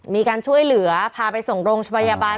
มีการช่วยเหลือพาไปส่งโรงพยาบาล